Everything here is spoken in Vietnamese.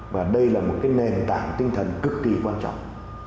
và đây là một cái nền tảng tinh thần cực kỳ quan trọng